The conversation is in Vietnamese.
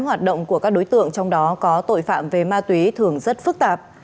hoạt động của các đối tượng trong đó có tội phạm về ma túy thường rất phức tạp